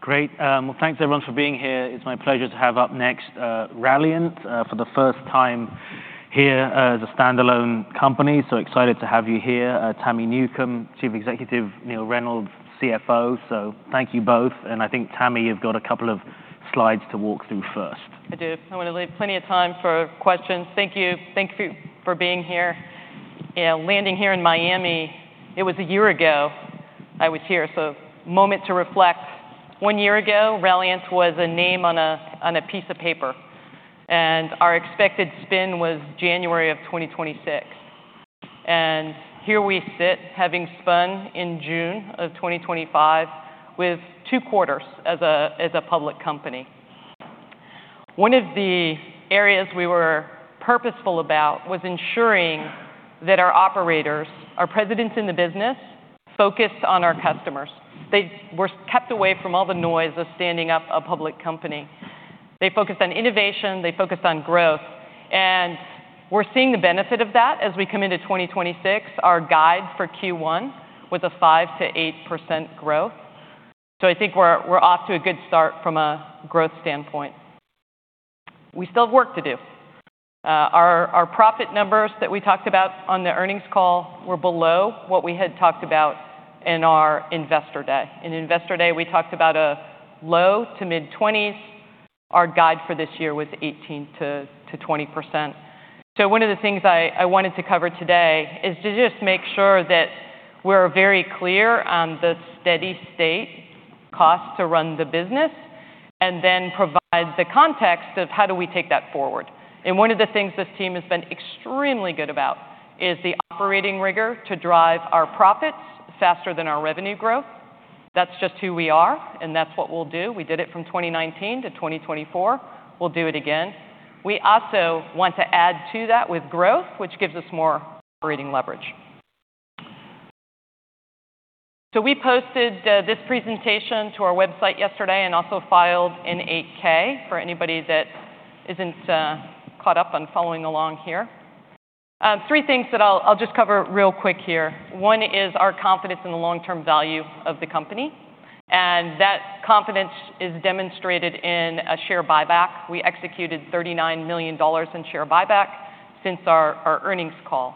Great. Well, thanks everyone for being here. It's my pleasure to have up next, Ralliant, for the first time here as a standalone company. So excited to have you here. Tami Newcombe, Chief Executive, Neill Reynolds, CFO. So thank you both, and I think, Tami, you've got a couple of slides to walk through first. I do. I wanna leave plenty of time for questions. Thank you. Thank you for being here. Yeah, landing here in Miami, it was a year ago I was here, so moment to reflect. One year ago, Ralliant was a name on a, on a piece of paper, and our expected spin was January of 2026. And here we sit, having spun in June of 2025, with two quarters as a, as a public company. One of the areas we were purposeful about was ensuring that our operators, our presidents in the business, focused on our customers. They were kept away from all the noise of standing up a public company. They focused on innovation, they focused on growth, and we're seeing the benefit of that as we come into 2026, our guide for Q1, with a 5%-8% growth. So I think we're off to a good start from a growth standpoint. We still have work to do. Our profit numbers that we talked about on the earnings call were below what we had talked about in our Investor Day. In Investor Day, we talked about a low to mid-20s. Our guide for this year was 18%-20%. So one of the things I wanted to cover today is to just make sure that we're very clear on the steady state costs to run the business, and then provide the context of how do we take that forward. And one of the things this team has been extremely good about is the operating rigor to drive our profits faster than our revenue growth. That's just who we are, and that's what we'll do. We did it from 2019 to 2024. We'll do it again. We also want to add to that with growth, which gives us more operating leverage. So we posted this presentation to our website yesterday, and also filed an 8-K for anybody that isn't caught up on following along here. Three things that I'll just cover real quick here. One is our confidence in the long-term value of the company, and that confidence is demonstrated in a share buyback. We executed $39 million in share buyback since our earnings call.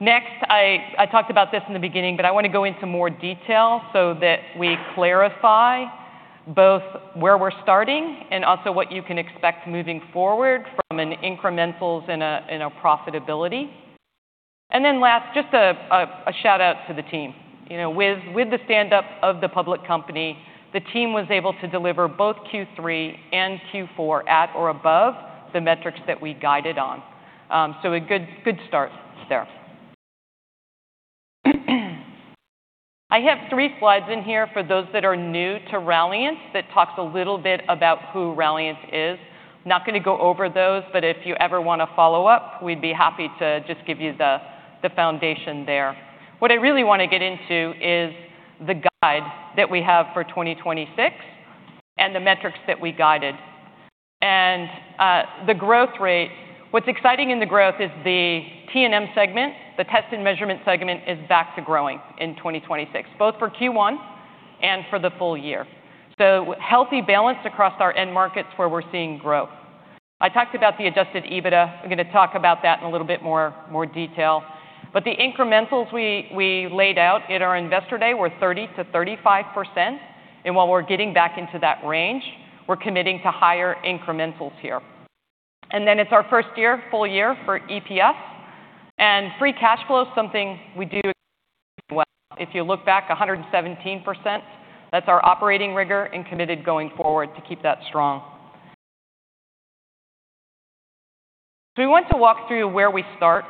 Next, I talked about this in the beginning, but I wanna go into more detail so that we clarify both where we're starting and also what you can expect moving forward from an incrementals in a profitability. And then last, just a shout-out to the team. You know, with the stand-up of the public company, the team was able to deliver both Q3 and Q4 at or above the metrics that we guided on. So a good, good start there. I have three slides in here for those that are new to Ralliant, that talks a little bit about who Ralliant is. Not gonna go over those, but if you ever wanna follow up, we'd be happy to just give you the foundation there. What I really wanna get into is the guide that we have for 2026 and the metrics that we guided. And, the growth rate. What's exciting in the growth is the T&M segment. The test and measurement segment is back to growing in 2026, both for Q1 and for the full year. So healthy balance across our end markets where we're seeing growth. I talked about the Adjusted EBITDA. I'm gonna talk about that in a little bit more, more detail. But the incrementals we laid out at our Investor Day were 30%-35%, and while we're getting back into that range, we're committing to higher incrementals here. Then it's our first year, full year for EPS. And free cash flow is something we do well. If you look back 117%, that's our operating rigor and committed going forward to keep that strong. So we want to walk through where we start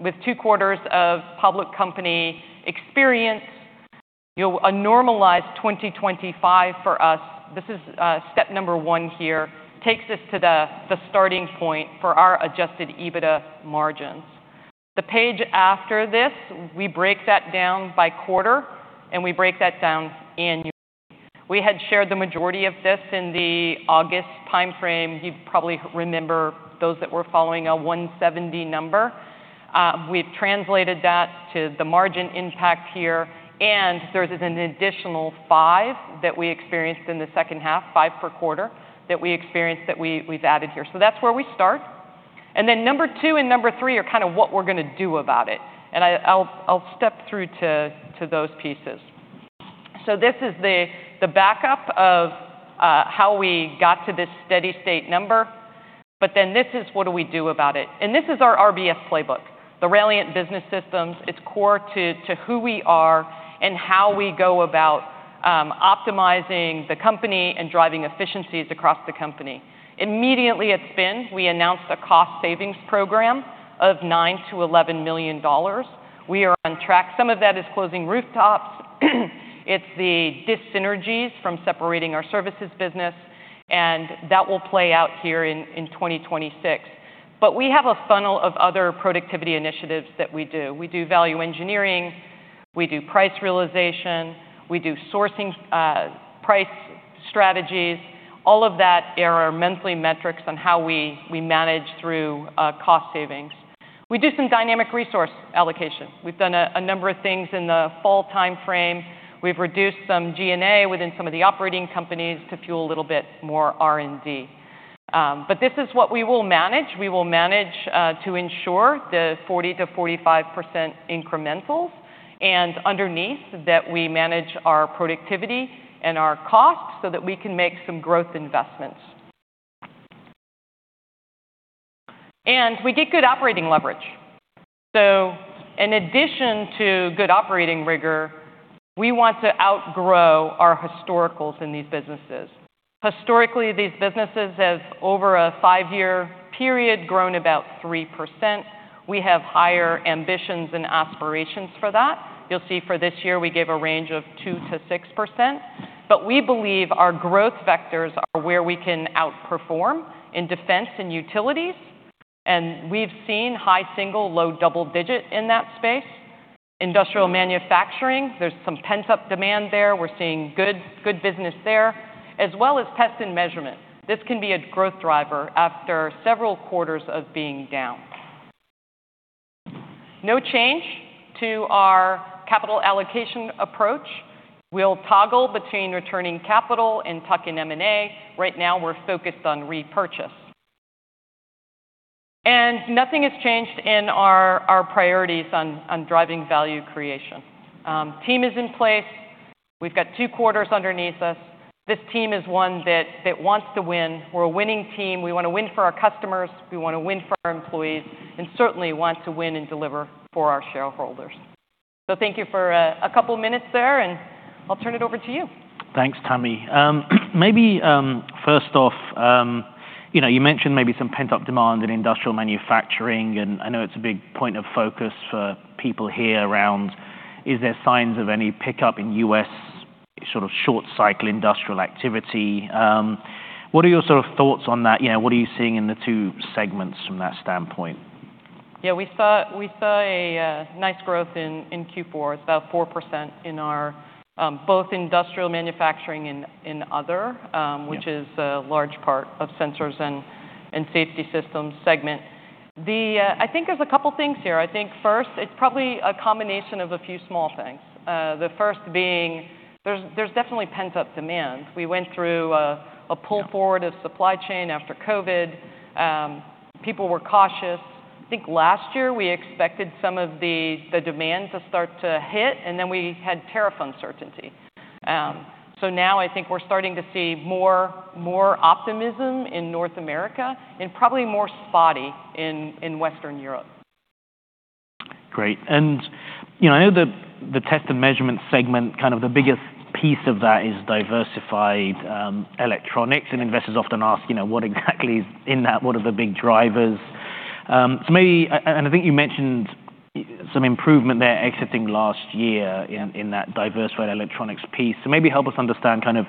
with two quarters of public company experience. You know, a normalized 2025 for us, this is step number 1 here, takes us to the starting point for our Adjusted EBITDA margins. The page after this, we break that down by quarter, and we break that down annually. We had shared the majority of this in the August timeframe. You probably remember those that were following a 170 number. We've translated that to the margin impact here, and there's an additional 5 that we experienced in the second half, 5 per quarter, that we experienced that we, we've added here. So that's where we start. And then number 2 and number 3 are kind of what we're gonna do about it, and I'll step through to those pieces. So this is the backup of how we got to this steady state number, but then this is what do we do about it. And this is our RBS playbook, the Ralliant Business System. It's core to who we are and how we go about optimizing the company and driving efficiencies across the company. Immediately at spin, we announced a cost savings program of $9 million-$11 million. We are on track. Some of that is closing rooftops, it's the dyssynergies from separating our services business, and that will play out here in 2026. But we have a funnel of other productivity initiatives that we do. We do value engineering, we do price realization, we do sourcing, price strategies, all of that are our monthly metrics on how we manage through cost savings. We do some dynamic resource allocation. We've done a number of things in the fall time frame. We've reduced some G&A within some of the operating companies to fuel a little bit more R&D. But this is what we will manage. We will manage to ensure the 40%-45% incrementals, and underneath that we manage our productivity and our costs so that we can make some growth investments. We get good operating leverage. So in addition to good operating rigor, we want to outgrow our historicals in these businesses. Historically, these businesses have, over a five-year period, grown about 3%. We have higher ambitions and aspirations for that. You'll see for this year, we gave a range of 2%-6%, but we believe our growth vectors are where we can outperform in defense and utilities, and we've seen high single-digit, low double-digit in that space. industrial manufacturing, there's some pent-up demand there. We're seeing good, good business there, as well as Test and Measurement. This can be a growth driver after several quarters of being down. No change to our capital allocation approach. We'll toggle between returning capital and tuck-in M&A. Right now, we're focused on repurchase. And nothing has changed in our priorities on driving value creation. Team is in place. We've got two quarters underneath us. This team is one that wants to win. We're a winning team. We want to win for our customers, we want to win for our employees, and certainly want to win and deliver for our shareholders. So thank you for a couple minutes there, and I'll turn it over to you. Thanks, Tami. Maybe, first off, you know, you mentioned maybe some pent-up demand in industrial manufacturing, and I know it's a big point of focus for people here around: Is there signs of any pickup in U.S. sort of short-cycle industrial activity? What are your sort of thoughts on that? You know, what are you seeing in the two segments from that standpoint? Yeah, we saw, we saw a nice growth in, in Q4. It's about 4% in our both industrial manufacturing and, and other. Yeah... which is a large part of Sensors and Safety Systems segment. The, I think there's a couple things here. I think first, it's probably a combination of a few small things. The first being, there's definitely pent-up demand. We went through a pull forward- Yeah... of supply chain after COVID. People were cautious. I think last year we expected some of the, the demand to start to hit, and then we had tariff uncertainty. So now I think we're starting to see more, more optimism in North America and probably more spotty in, in Western Europe. Great. And, you know, I know the test and measurement segment, kind of the biggest piece of that is diversified electronics, and investors often ask, you know, "What exactly is in that? What are the big drivers?" So maybe, and I think you mentioned some improvement there exiting last year in that diversified electronics piece. So maybe help us understand kind of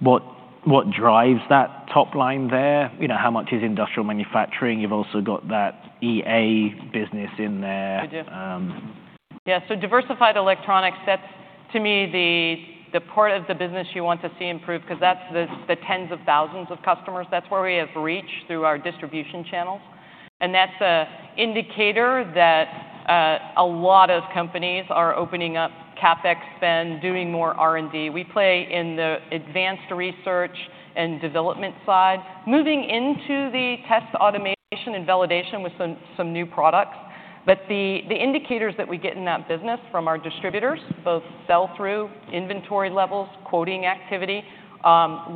what drives that top line there. You know, how much is industrial manufacturing? You've also got that EA business in there. We do. Um- Yeah, so diversified electronics, that's, to me, the, the part of the business you want to see improve because that's the, the tens of thousands of customers. That's where we have reach through our distribution channels, and that's an indicator that a lot of companies are opening up CapEx spend, doing more R&D. We play in the advanced research and development side, moving into the test automation and validation with some, some new products. But the, the indicators that we get in that business from our distributors, both sell-through, inventory levels, quoting activity,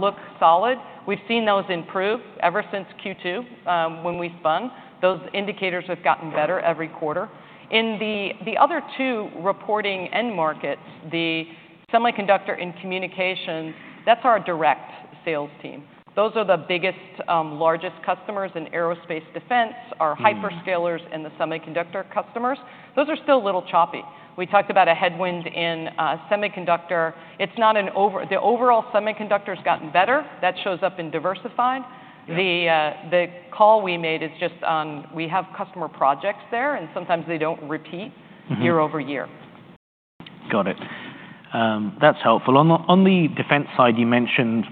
look solid. We've seen those improve ever since Q2, when we spun. Those indicators have gotten better every quarter. In the, the other two reporting end markets, the semiconductor and communication, that's our direct sales team. Those are the biggest, largest customers in aerospace defense- Mm... our hyperscalers and the semiconductor customers. Those are still a little choppy. We talked about a headwind in semiconductor. It's not an over the overall semiconductor's gotten better. That shows up in diversified. Yeah. The call we made is just on, we have customer projects there, and sometimes they don't repeat- Mm-hmm... year-over-year. Got it. That's helpful. On the, on the defense side, you mentioned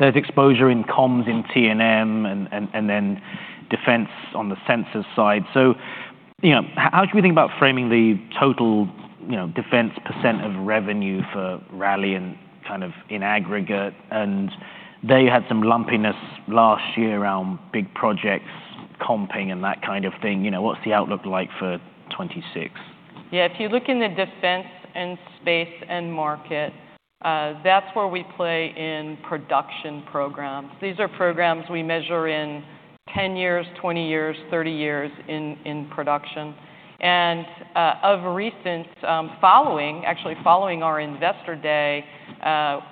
there's exposure in comms, in T&M, and then defense on the sensors side. So, you know, how should we think about framing the total, you know, defense % of revenue for Ralliant and kind of in aggregate? And they had some lumpiness last year around big projects, comping, and that kind of thing. You know, what's the outlook like for 2026? Yeah, if you look in the defense and space end market, that's where we play in production programs. These are programs we measure in 10 years, 20 years, 30 years in production. And, of recent, following, actually, following our Investor Day,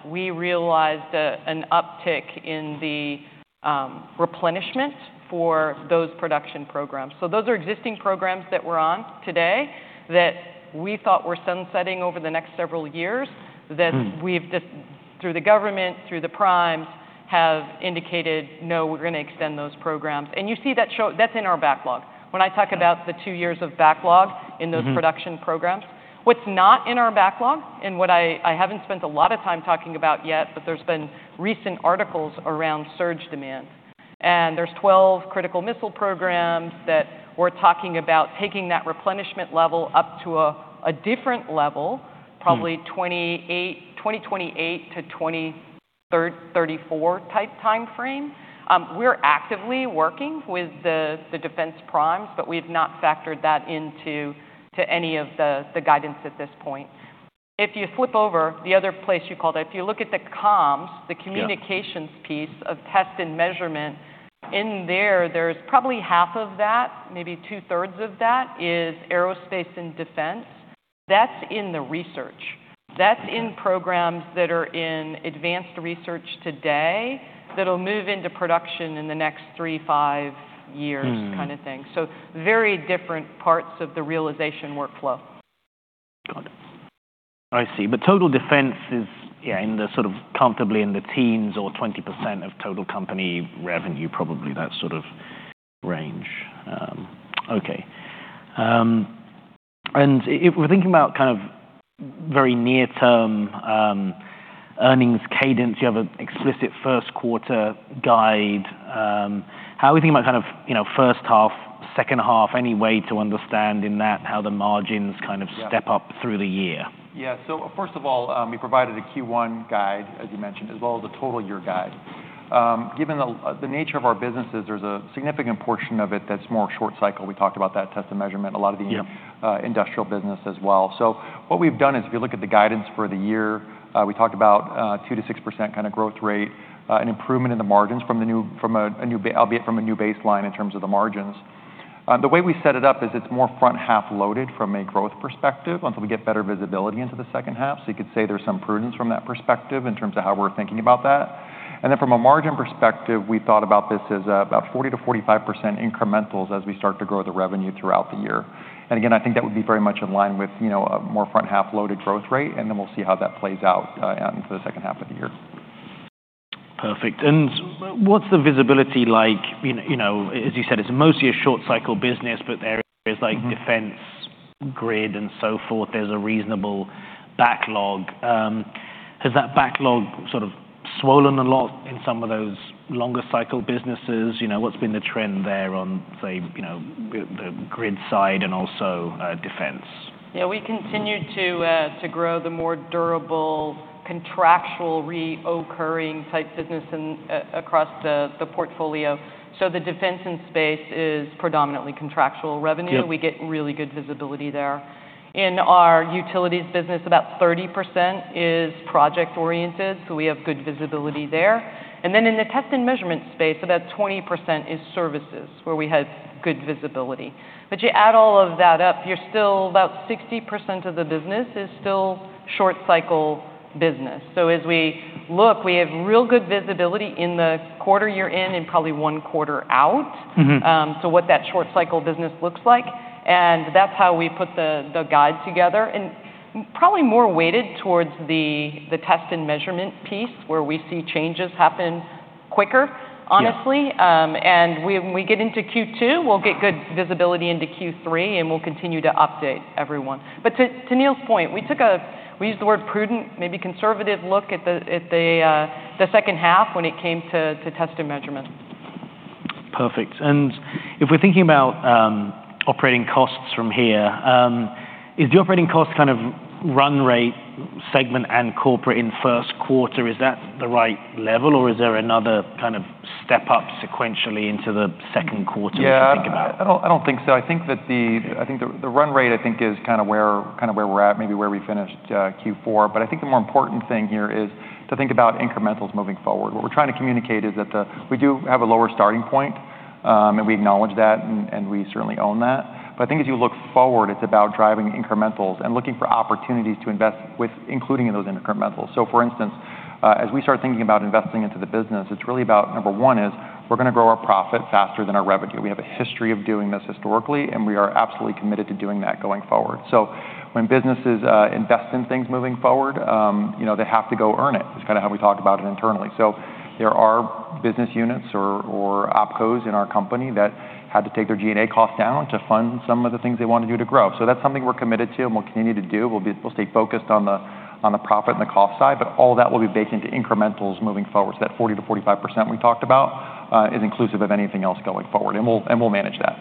we realized an uptick in the replenishment for those production programs. So those are existing programs that we're on today that we thought were sunsetting over the next several years- Hmm... that we've just, through the government, through the primes-... have indicated, no, we're gonna extend those programs. You see that show-- that's in our backlog. When I talk about the two years of backlog- Mm-hmm. -in those production programs. What's not in our backlog, and what I haven't spent a lot of time talking about yet, but there's been recent articles around surge demand, and there's 12 critical missile programs that we're talking about taking that replenishment level up to a different level- Mm. Probably 28, 2028 to 2030-34 type timeframe. We're actively working with the defense primes, but we've not factored that into any of the guidance at this point. If you flip over, the other place you called out, if you look at the comms- Yeah... the communications piece of test and measurement, in there, there's probably half of that, maybe two-thirds of that is aerospace and defense. That's in the research. Yeah. That's in programs that are in advanced research today, that'll move into production in the next 3-5 years. Mm kind of thing. So very different parts of the realization workflow. Got it. I see. But total defense is, yeah, in the sort of comfortably in the teens or 20% of total company revenue, probably that sort of range. Okay. And if we're thinking about kind of very near-term, earnings cadence, you have an explicit first quarter guide. How are we thinking about kind of, you know, first half, second half, any way to understand in that how the margins kind of- Yeah Step up through the year? Yeah. So first of all, we provided a Q1 guide, as you mentioned, as well as a total year guide. Given the nature of our businesses, there's a significant portion of it that's more short cycle. We talked about that, test and measurement, a lot of the- Yeah... industrial business as well. So what we've done is, if you look at the guidance for the year, we talked about, two to six percent kind of growth rate, an improvement in the margins albeit from a new baseline in terms of the margins. The way we set it up is it's more front-half loaded from a growth perspective, until we get better visibility into the second half. So you could say there's some prudence from that perspective in terms of how we're thinking about that. And then from a margin perspective, we thought about this as, about 40%-45% incrementals as we start to grow the revenue throughout the year. Again, I think that would be very much in line with, you know, a more front-half loaded growth rate, and then we'll see how that plays out for the second half of the year. Perfect. And what's the visibility like? You know, as you said, it's mostly a short cycle business, but there is like- Mm-hmm... defense, grid, and so forth. There's a reasonable backlog. Has that backlog sort of swollen a lot in some of those longer cycle businesses? You know, what's been the trend there on, say, you know, the grid side and also, defense? Yeah, we continue to grow the more durable, contractual, recurring type business in across the portfolio. So the defense and space is predominantly contractual revenue. Yeah. We get really good visibility there. In our utilities business, about 30% is project-oriented, so we have good visibility there. And then in the test and measurement space, about 20% is services, where we have good visibility. But you add all of that up, you're still about 60% of the business is still short cycle business. So as we look, we have real good visibility in the quarter you're in and probably one quarter out. Mm-hmm. So, what that short cycle business looks like, and that's how we put the guide together, and probably more weighted towards the Test and Measurement piece, where we see changes happen quicker, honestly. Yeah. And we, we get into Q2, we'll get good visibility into Q3, and we'll continue to update everyone. But to, to Neill's point, we took a, we used the word prudent, maybe conservative look at the, at the, the second half when it came to, to Test and Measurement. Perfect. And if we're thinking about operating costs from here, is the operating cost kind of run rate segment and corporate in first quarter the right level, or is there another kind of step up sequentially into the second quarter to think about? Yeah, I don't, I don't think so. I think that the... I think the, the run rate, I think, is kind of where, kind of where we're at, maybe where we finished Q4. But I think the more important thing here is to think about incrementals moving forward. What we're trying to communicate is that the- we do have a lower starting point, and we acknowledge that, and we certainly own that. But I think as you look forward, it's about driving incrementals and looking for opportunities to invest with including in those incrementals. So for instance, as we start thinking about investing into the business, it's really about, number one, is we're gonna grow our profit faster than our revenue. We have a history of doing this historically, and we are absolutely committed to doing that going forward. So when businesses invest in things moving forward, you know, they have to go earn it. It's kind of how we talk about it internally. So there are business units or opcos in our company that had to take their G&A cost down to fund some of the things they want to do to grow. So that's something we're committed to and we'll continue to do. We'll stay focused on the, on the profit and the cost side, but all that will be baked into incrementals moving forward. So that 40%-45% we talked about is inclusive of anything else going forward, and we'll, and we'll manage that.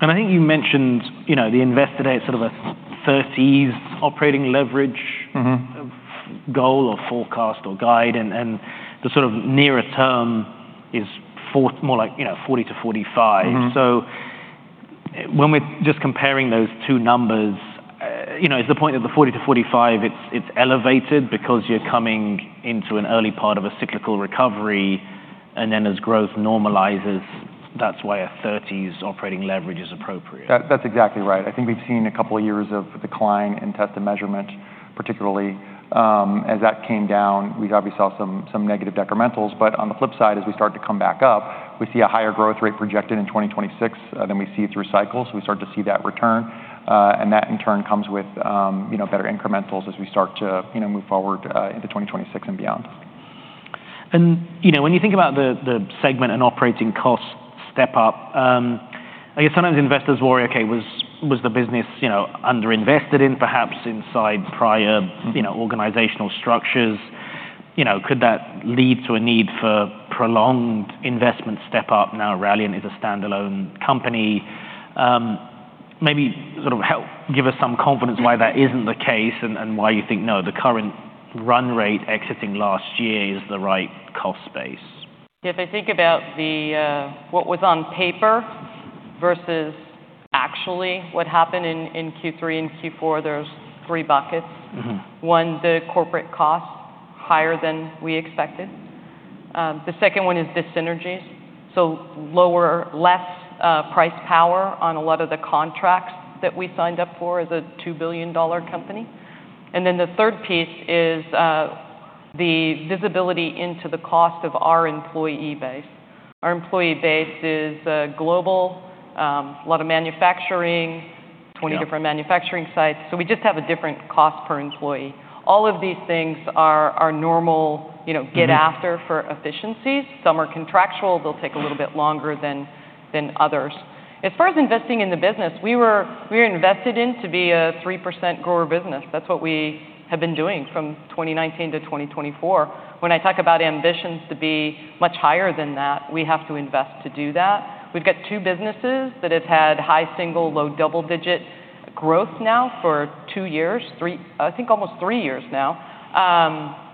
I think you mentioned, you know, the Investor Day, sort of a thirties operating leverage- Mm-hmm... goal or forecast or guide, and the sort of nearer term is more like, you know, 40-45. Mm-hmm. So when we're just comparing those two numbers, you know, is the point of the 40-45, it's, it's elevated because you're coming into an early part of a cyclical recovery, and then as growth normalizes, that's why 30s operating leverage is appropriate? That, that's exactly right. I think we've seen a couple of years of decline in test and measurement, particularly. As that came down, we obviously saw some negative decrementals. But on the flip side, as we start to come back up, we see a higher growth rate projected in 2026 than we see it through cycles. We start to see that return, and that in turn comes with, you know, better incrementals as we start to, you know, move forward, into 2026 and beyond.... And, you know, when you think about the, the segment and operating costs step up, I guess sometimes investors worry, okay, was, was the business, you know, underinvested in perhaps inside prior, you know, organizational structures? You know, could that lead to a need for prolonged investment step up now that Ralliant is a standalone company? Maybe sort of help give us some confidence why that isn't the case and, and why you think, no, the current run rate exiting last year is the right cost base. If I think about the what was on paper versus actually what happened in Q3 and Q4, there's three buckets. Mm-hmm. One, the corporate costs, higher than we expected. The second one is dyssynergies, so less price power on a lot of the contracts that we signed up for as a $2 billion company. And then the third piece is, the visibility into the cost of our employee base. Our employee base is, global, a lot of manufacturing- Yeah... 20 different manufacturing sites, so we just have a different cost per employee. All of these things are normal, you know- Mm-hmm Get after for efficiencies. Some are contractual, they'll take a little bit longer than others. As far as investing in the business, we were invested in to be a 3% grower business. That's what we have been doing from 2019 to 2024. When I talk about ambitions to be much higher than that, we have to invest to do that. We've got two businesses that have had high single, low double-digit growth now for 2 years, three—I think almost 3 years now.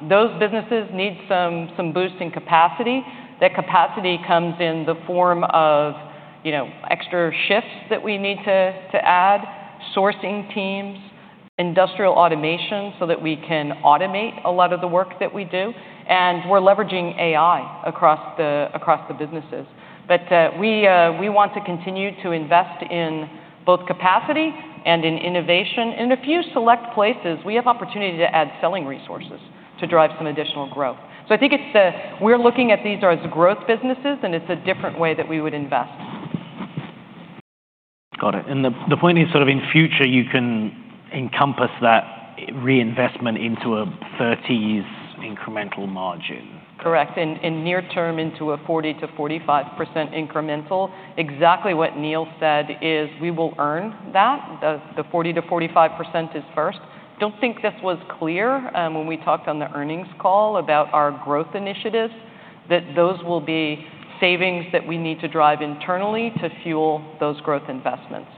Those businesses need some boost in capacity. That capacity comes in the form of, you know, extra shifts that we need to add, sourcing teams, industrial automation, so that we can automate a lot of the work that we do, and we're leveraging AI across the businesses. But we want to continue to invest in both capacity and in innovation. In a few select places, we have opportunity to add selling resources to drive some additional growth. So I think it's the... We're looking at these as growth businesses, and it's a different way that we would invest. Got it. The point is sort of in future you can encompass that reinvestment into a 30s incremental margin. Correct. In the near term, into a 40%-45% incremental. Exactly what Neill said is we will earn that. The 40%-45% is first. I don't think this was clear when we talked on the earnings call about our growth initiatives, that those will be savings that we need to drive internally to fuel those growth investments.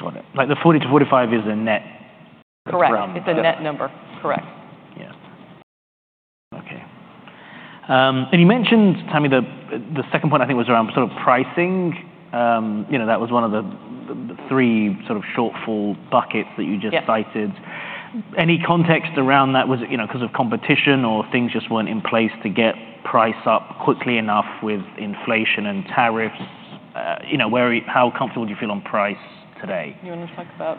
Got it. Like, the 40-45 is a net? Correct. Around, uh- It's a net number. Correct. Yes. Okay. And you mentioned, Tami, the second point I think was around sort of pricing. You know, that was one of the three sort of shortfall buckets that you just- Yeah -cited. Any context around that? Was it, you know, because of competition, or things just weren't in place to get price up quickly enough with inflation and tariffs? You know, how comfortable do you feel on price today? You wanna talk about...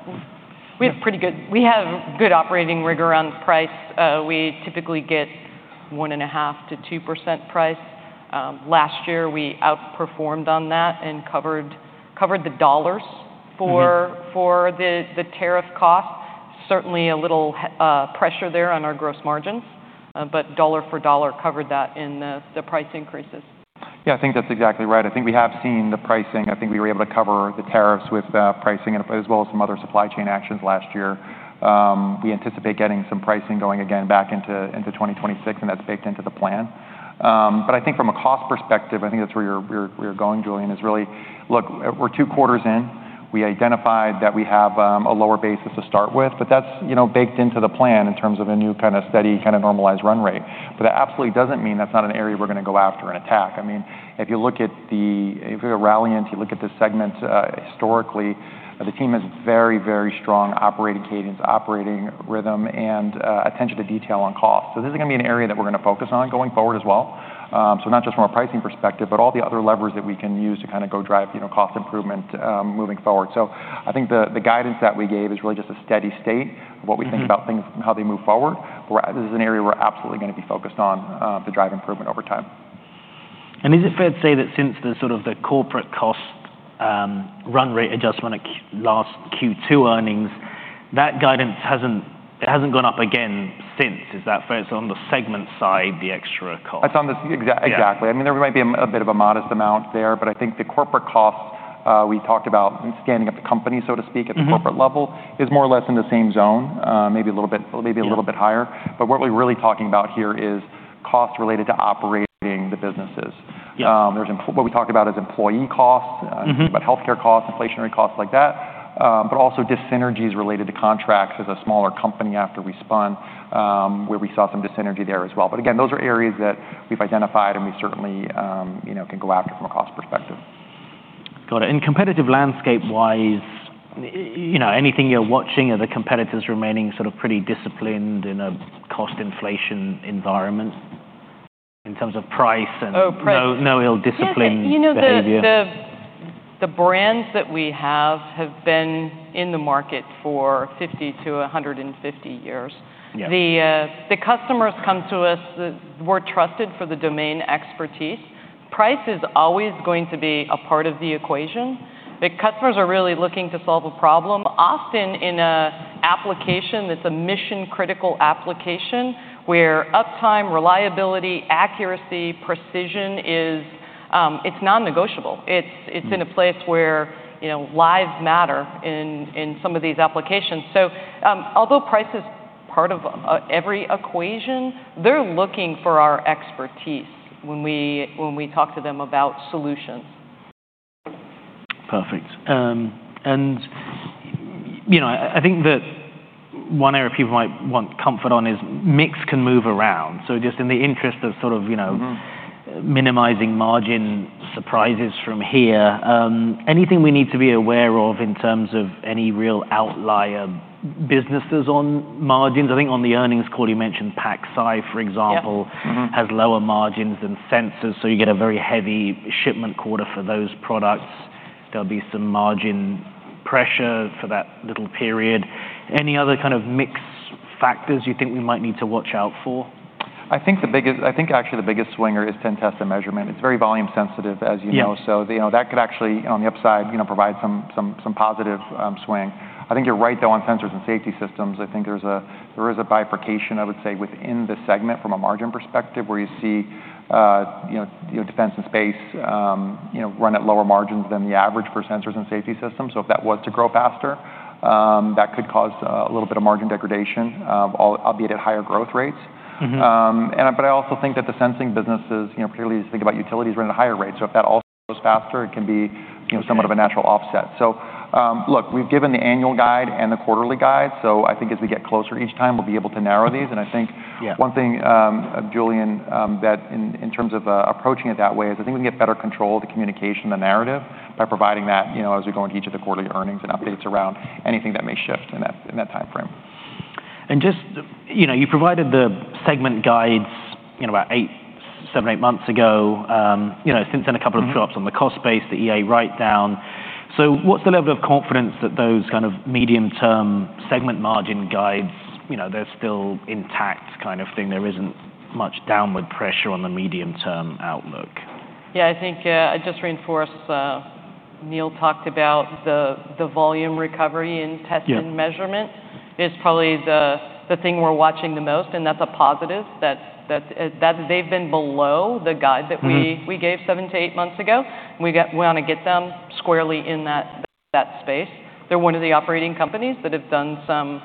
We have pretty good-- we have good operating rigor on price. We typically get 1.5%-2% price. Last year, we outperformed on that and covered, covered the dollars- Mm-hmm... for the tariff cost. Certainly a little pressure there on our gross margins, but dollar for dollar, covered that in the price increases. Yeah, I think that's exactly right. I think we have seen the pricing. I think we were able to cover the tariffs with pricing, and as well as some other supply chain actions last year. We anticipate getting some pricing going again back into 2026, and that's baked into the plan. But I think from a cost perspective, I think that's where you're going, Julian, is really... Look, we're two quarters in. We identified that we have a lower base just to start with, but that's, you know, baked into the plan in terms of a new kind of steady, kind of normalized run rate. But that absolutely doesn't mean that's not an area we're gonna go after and attack. I mean, if you look at the, if you're at Ralliant, if you look at the segment, historically, the team has very, very strong operating cadence, operating rhythm, and attention to detail on cost. So this is gonna be an area that we're gonna focus on going forward as well. So not just from a pricing perspective, but all the other levers that we can use to kind of go drive, you know, cost improvement, moving forward. So I think the, the guidance that we gave is really just a steady state of what we think- Mm-hmm... about things and how they move forward, where this is an area we're absolutely gonna be focused on, to drive improvement over time. Is it fair to say that since the sort of the corporate cost run rate adjustment at last Q2 earnings, that guidance hasn't, it hasn't gone up again since? Is that fair? It's on the segment side, the extra cost. It's on the SEC exact- Yeah... exactly. I mean, there might be a bit of a modest amount there, but I think the corporate costs, we talked about scaling up the company, so to speak- Mm-hmm... at the corporate level, is more or less in the same zone, maybe a little bit- Yeah... maybe a little bit higher. But what we're really talking about here is costs related to operating the businesses. Yeah. There's what we talked about is employee costs- Mm-hmm... think about healthcare costs, inflationary costs like that, but also dyssynergies related to contracts as a smaller company after we spun, where we saw some dyssynergy there as well. But again, those are areas that we've identified and we certainly, you know, can go after from a cost perspective. Got it. And competitive landscape-wise, you know, anything you're watching? Are the competitors remaining sort of pretty disciplined in a cost inflation environment in terms of price and- Oh, price- No, no ill discipline behavior? Yes, you know, the brands that we have been in the market for 50-150 years. Yeah. The customers come to us. We're trusted for the domain expertise. Price is always going to be a part of the equation, but customers are really looking to solve a problem, often in an application that's a mission-critical application, where uptime, reliability, accuracy, precision is non-negotiable. It's in a place where, you know, lives matter in some of these applications. So, although price is part of every equation, they're looking for our expertise when we talk to them about solutions. Perfect. You know, I think that one area people might want comfort on is mix can move around. So just in the interest of sort of, you know- Mm-hmm... minimizing margin surprises from here, anything we need to be aware of in terms of any real outlier businesses on margins? I think on the earnings call, you mentioned PacSci, for example- Yep. Mm-hmm... has lower margins than Sensors, so you get a very heavy shipment quarter for those products. There'll be some margin pressure for that little period. Any other kind of mix factors you think we might need to watch out for? I think actually the biggest swinger is Test and Measurement. It's very volume sensitive, as you know. Yeah. So, you know, that could actually, on the upside, you know, provide some positive swing. I think you're right, though, on Sensors and Safety Systems. I think there is a bifurcation, I would say, within the segment from a margin perspective, where you see, you know, defense and space, you know, run at lower margins than the average for Sensors and Safety Systems. So, if that was to grow faster, that could cause a little bit of margin degradation, albeit at higher growth rates. Mm-hmm. I also think that the sensing business is, you know, particularly as you think about utilities, running at a higher rate. So if that also grows faster, it can be, you know, somewhat of a natural offset. Okay. So, look, we've given the annual guide and the quarterly guide, so I think as we get closer each time, we'll be able to narrow these. Yeah. I think one thing, Julian, that in terms of approaching it that way, is I think we can get better control of the communication and the narrative by providing that, you know, as we go into each of the quarterly earnings and updates around anything that may shift in that timeframe. Just, you know, you provided the segment guides, you know, about 8, 7, 8 months ago. You know, since then, a couple of drops- Mm-hmm... on the cost base, the EA write-down. So what's the level of confidence that those kind of medium-term segment margin guides, you know, they're still intact kind of thing? There isn't much downward pressure on the medium-term outlook. Yeah, I think, just to reinforce, Neill talked about the volume recovery in test and measurement- Yeah... is probably the thing we're watching the most, and that's a positive. That's they've been below the guide that we- Mm-hmm... we gave 7-8 months ago. We want to get them squarely in that space. They're one of the operating companies that have done some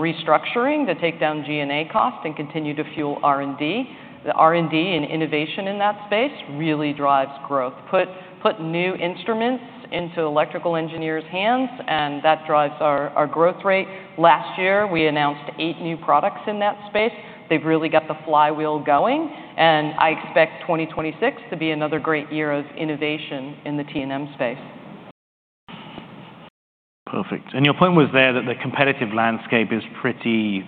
restructuring to take down G&A costs and continue to fuel R&D. The R&D and innovation in that space really drives growth. Put new instruments into electrical engineers' hands, and that drives our growth rate. Last year, we announced 8 new products in that space. They've really got the flywheel going, and I expect 2026 to be another great year of innovation in the T&M space. Perfect. And your point was there that the competitive landscape is pretty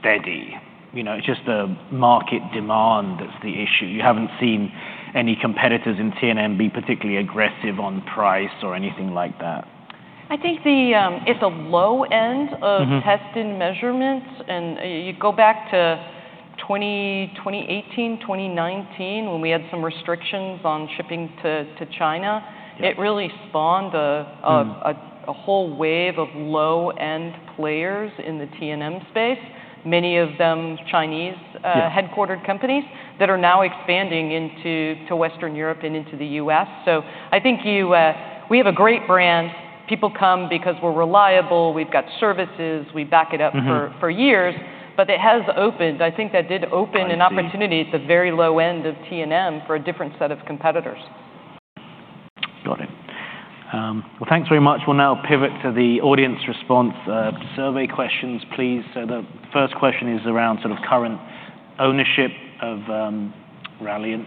steady. You know, it's just the market demand that's the issue. You haven't seen any competitors in T&M be particularly aggressive on price or anything like that. I think the, it's a low end of- Mm-hmm... Test and Measurements, and you go back to 2018, 2019, when we had some restrictions on shipping to China- Yeah... it really spawned a Mm... a whole wave of low-end players in the T&M space, many of them Chinese- Yeah... headquartered companies that are now expanding into Western Europe and into the US. So I think you, we have a great brand. People come because we're reliable, we've got services, we back it up for- Mm-hmm... for years, but it has opened. I think that did open an opportunity- I see... at the very low end of T&M for a different set of competitors. Got it. Well, thanks very much. We'll now pivot to the audience response survey questions, please. So the first question is around sort of current ownership of Ralliant and-